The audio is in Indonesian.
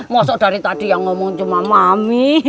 masuk dari tadi yang ngomong cuma mami